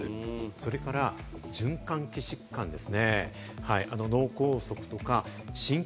そして循環器疾患です。